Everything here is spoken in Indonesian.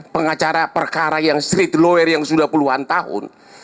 pengacara perkara yang street lawyer yang sudah puluhan tahun